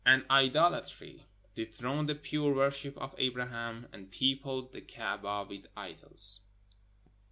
An idolatry ... dethroned the pure worship of Abra ham, and peopled the Kaaba with idols.